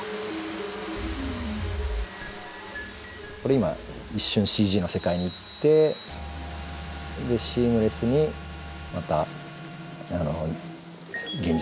これ今一瞬ＣＧの世界に行ってでシームレスにまた現実の世界に戻るっていう感じですけど。